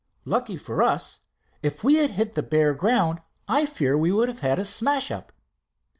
"Lucky for us. If we had hit the bare ground I fear we would have had a smash up."